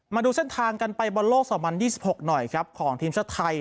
มาดูเส้นทางกันไปบอลโลก๒๐๒๖หน่อยครับของทีมชาติไทย